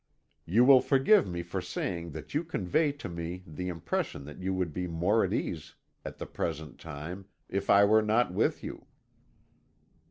You will forgive me for saying that you convey to me the impression that you would be more at ease at the present time if I were not with you."